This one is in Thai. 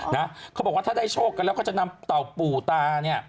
นะเขาบอกว่าถ้าได้โชคกันแล้วก็จะนำเต่าปู่ตาเนี่ย